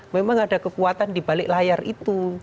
memang ada kekuatan di balik layar itu